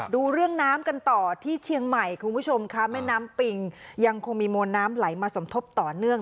ดูเรื่องน้ำกันต่อที่เชียงใหม่คุณผู้ชมค่ะแม่น้ำปิงยังคงมีมวลน้ำไหลมาสมทบต่อเนื่อง